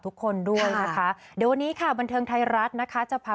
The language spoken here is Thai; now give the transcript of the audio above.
ทุกคนด้วยนะคะเดี๋ยววันนี้ค่ะบันเทิงไทยรัฐนะคะจะพา